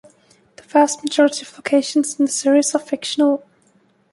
The vast majority of locations in the series are fictional.